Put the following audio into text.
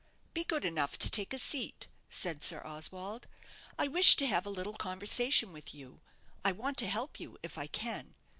"Be good enough to take a seat," said Sir Oswald: "I wish to have a little conversation with you. I want to help you, if I can.